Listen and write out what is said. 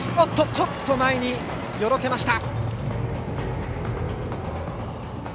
ちょっと前によろけました。